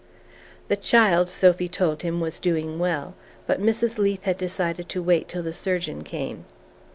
The child, Sophy told him, was doing well; but Mrs. Leath had decided to wait till the surgeon came.